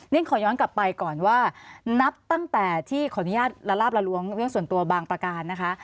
นี่ขอย้อนกลับไปก่อนว่านับตั้งแต่ที่ขออนุญาตละลาบละล้วงเรื่องส่วนตัวบางประการนะคะ